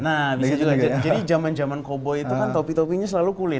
nah bisa juga jadi zaman zaman koboi itu kan topi topinya selalu kulit